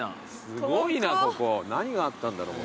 すごいなここ何があったんだろうもともと。